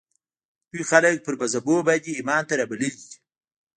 دوی خلک پر مذهبونو باندې ایمان ته رابللي دي